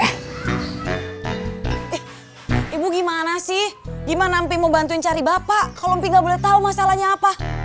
eh ibu gimana sih gimana mp mau bantuin cari bapak kalo mp gak boleh tau masalahnya apa